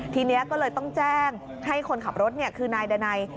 ทีนี้ก็เลยต้องแจ้งให้คนขับรถคือนายดานัย